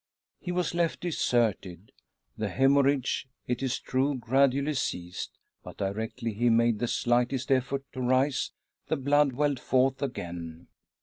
He was left deserted! The hemorrhage, it is true, gradually ceased, but directly he made the slightest effort to rise the blood welled forth again.